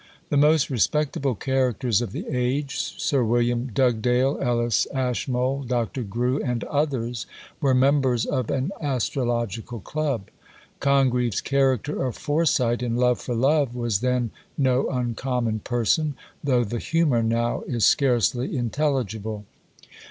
The most respectable characters of the age, Sir William Dugdale, Ellas Ashmole, Dr. Grew, and others, were members of an astrological club. Congreve's character of Foresight, in Love for Love, was then no uncommon person, though the humour now is scarcely intelligible.